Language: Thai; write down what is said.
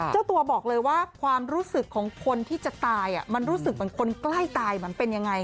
เจ้าตัวบอกเลยว่าความรู้สึกของคนที่จะตายมันรู้สึกเหมือนคนใกล้ตายมันเป็นยังไง